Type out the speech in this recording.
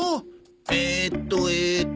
えっとえっと